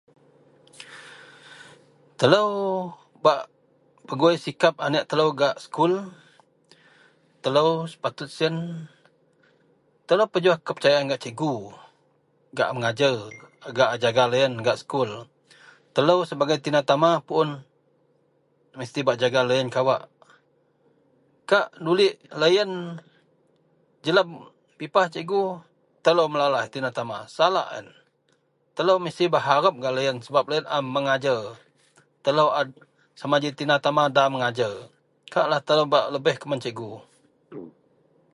Telo bak pegui sikap anek telo gak sekul telo sepatut telo pejuwah kepercayaan gak cikgu gak a mengajar gak a jaga loyen gak sekul telo sebagai tina tama puon mesti bak jaga loyen kawak kak nuliek loyen jeleb pipah cikgu telo melalaih tina tama salak iyen mesti bak harep gak loyen a mengajar telo sama ji tina tama